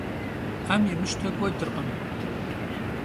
'em yimışte k'uedırkhım.